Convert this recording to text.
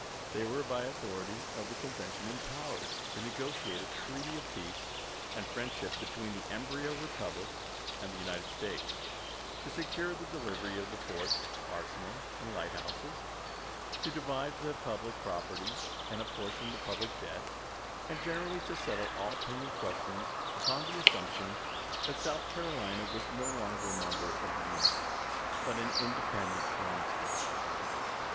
They were by authority of the convention empowered to negotiate a treaty of peace and friendship between the embryo republic and the United States; to secure the delivery of the forts, arsenal, and light houses ; to divide the public property and appor tion the public debt, and generally to settle all pending questions, upon the assumption that South Carolina was no longer a member of the i.',p'.iii?' Union, but an independent foreign State.